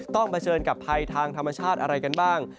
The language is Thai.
เผชิญกับภัยทางธรรมชาติอะไรกันบ้าง